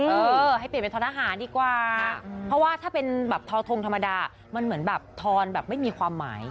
เออให้เปลี่ยนเป็นทอนอาหารดีกว่าเพราะว่าถ้าเป็นแบบทอทงธรรมดามันเหมือนแบบทอนแบบไม่มีความหมาย